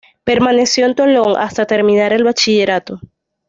Permaneció en Tolón hasta terminar el bachillerato.